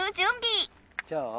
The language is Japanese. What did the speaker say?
じゃあ。